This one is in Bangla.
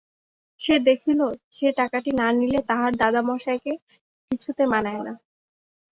সে দেখিল, সে টাকটি না দিলে তাহার দাদামহাশয়কে কিছুতে মানায় না।